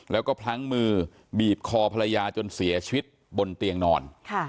แล้วก็พลั้งมือบีบคอภรรยาจนเสียชีวิตบนเตียงนอน